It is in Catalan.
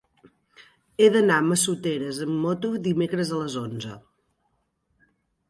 He d'anar a Massoteres amb moto dimecres a les onze.